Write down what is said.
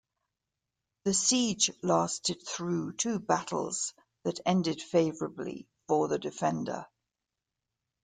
The siege lasted through two battles that ended favorably for the defender.